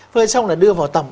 phơi xong là đưa vào tầm